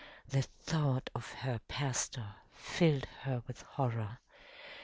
The thought of her pastor filled her with horror.